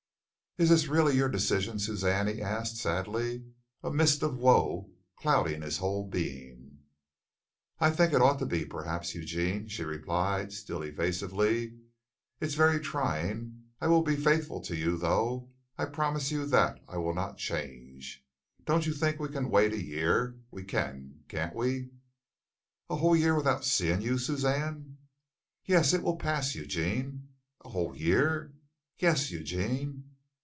"Is this really your decision, Suzanne?" he asked, sadly, a mist of woe clouding his whole being. "I think it ought to be, perhaps, Eugene," she replied, still evasively. "It's very trying. I will be faithful to you, though. I promise you that I will not change. Don't you think we can wait a year? We can, can't we?" "A whole year without seeing you, Suzanne?" "Yes, it will pass, Eugene." "A whole year?" "Yes, Eugene."